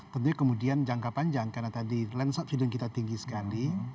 tentunya kemudian jangka panjang karena tadi land subsidence kita tinggi sekali